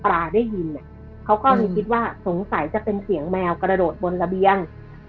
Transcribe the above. ได้ยินเนี่ยเขาก็เลยคิดว่าสงสัยจะเป็นเสียงแมวกระโดดบนระเบียง